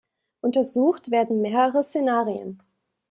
Untersucht werden mehrere Szenarien.